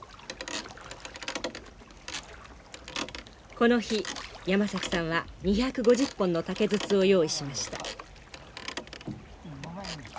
この日山崎さんは２５０本の竹筒を用意しました。